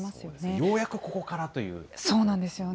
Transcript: ようやくここからというね。